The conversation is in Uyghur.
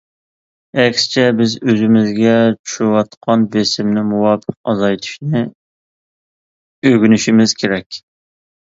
ئەكسىچە، بىز ئۆزىمىزگە چۈشۈۋاتقان بېسىمنى مۇۋاپىق ئازايتىشنى ئۆگىنىشىمىز كېرەك.